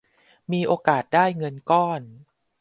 มีโอกาสได้เงินก้อน